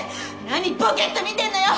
何ボケッと見てんのよ！